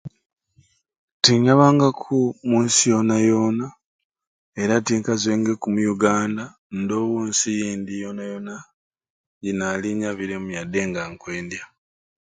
Tenyabangaku munsi yona yona era tenkazwengeku my Uganda ndowo nsi yindi yona yona gyenali njabiremu wadenga nkwendya